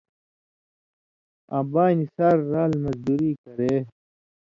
آں بانیۡ ساریۡ رال مزدوری کرے